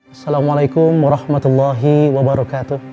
assalamualaikum warahmatullahi wabarakatuh